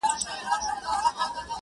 حقيقت لا هم مبهم پاتې دی,